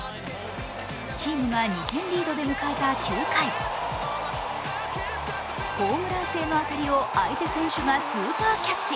チームが２点リードで迎えた９回、ホームラン性の当たりを相手選手がスーパーキャッチ。